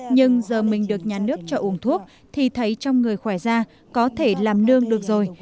nhưng giờ mình được nhà nước cho uống thuốc thì thấy trong người khỏe ra có thể làm nương được rồi